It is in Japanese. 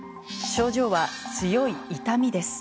症状は、強い痛みです。